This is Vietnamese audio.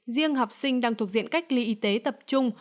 riêng học sinh đang thuộc diện cách ly y tế tập trung